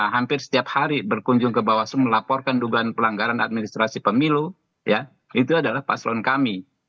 hampir setiap hari berkunjung ke bawaslu melaporkan dugaan pelanggaran administrasi pemilu ya itu adalah paslon kami